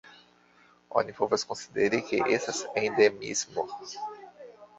Oni povas konsideri, ke estas endemismo.